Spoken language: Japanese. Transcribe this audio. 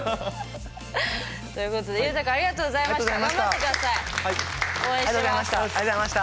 ということでゆうたくんありがとうございました。